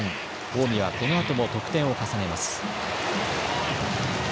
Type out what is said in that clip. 近江はこのあとも得点を重ねます。